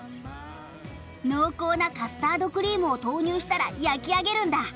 濃厚なカスタードクリームを投入したら焼き上げるんだ！